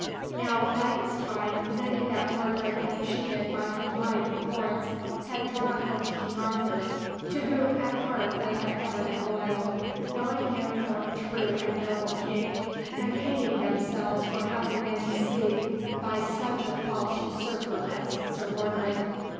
Now, by this time, many that Mordred had cheated by his lying reports, had drawn unto King Arthur, to whom at heart they had ever been loyal, knowing him for a true and noble King and hating themselves for having been deceived by such a false usurper as Sir Mordred.